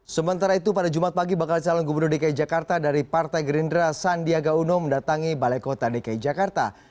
sementara itu pada jumat pagi bakal calon gubernur dki jakarta dari partai gerindra sandiaga uno mendatangi balai kota dki jakarta